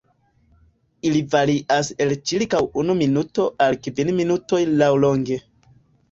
Ili varias el ĉirkaŭ unu minuto al kvin minutoj laŭlonge.